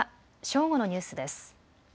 正午のニュースです。